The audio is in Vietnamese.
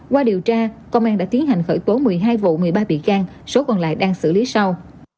qua điều tra công an đã tiến hành khởi tố một mươi hai vụ một mươi ba bị can số còn lại đang xử lý sau